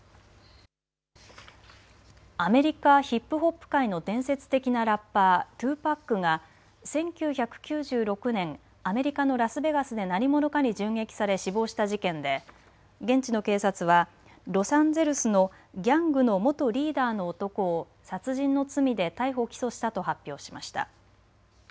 アメリカ、ヒップホップ界の伝説的なラッパー、２ＰＡＣが１９９６年、アメリカのラスベガスで何者かに銃撃され死亡した事件で現地の警察はロサンゼルスのギャングの元リーダーの男を殺人の罪で逮捕・起訴したと発表しました。